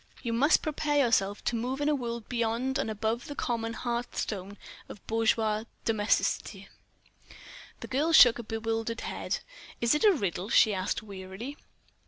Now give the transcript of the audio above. You must prepare yourself to move in a world beyond and above the common hearthstone of bourgeois domesticity." The girl shook a bewildered head. "It is a riddle?" she asked, wearily.